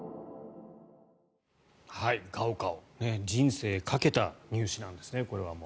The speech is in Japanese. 高考人生をかけた入試なんですね。